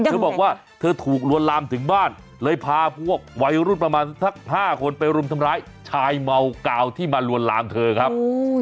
เธอบอกว่าเธอถูกลวนลามถึงบ้านเลยพาพวกวัยรุ่นประมาณสัก๕คนไปรุมทำร้ายชายเมากาวที่มาลวนลามเธอครับ